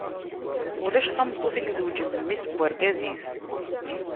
Ulac tameṭṭut i izewǧen d mmi-s n urgaz-is.